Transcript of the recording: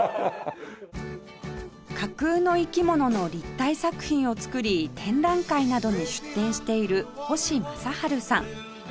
架空の生き物の立体作品を作り展覧会などに出展している星雅治さん